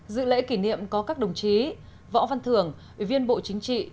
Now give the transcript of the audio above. dự lễ kỷ niệm có các đồng chí võ văn thưởng ủy viên bộ chính trị